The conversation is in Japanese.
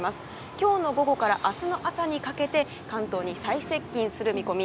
今日の午後から明日の朝にかけて関東に最接近する見込み。